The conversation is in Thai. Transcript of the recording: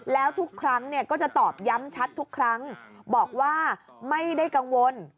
แล้วทุกครั้งก็จะตอบย้ำชัดทุกครั้งบอกว่าไม่ได้กังวล